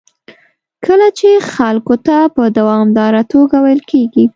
کله چې خلکو ته په دوامداره توګه ویل کېږي